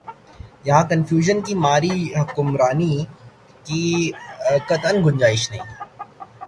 یہاں کنفیوژن کی ماری حکمرانی کی قطعا گنجائش نہیں۔